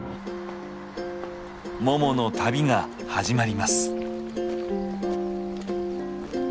ももの旅が始まります。